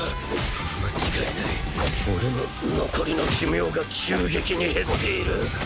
間違いない俺の残りの寿命が急激に減っている。